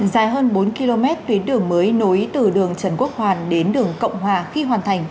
dài hơn bốn km tuyến đường mới nối từ đường trần quốc hoàn đến đường cộng hòa khi hoàn thành